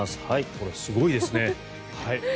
これ、すごいですね。